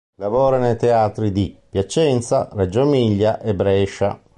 Lavora nei teatri di Piacenza, Reggio Emilia e Brescia.